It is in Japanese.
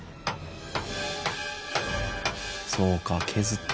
そうか削って。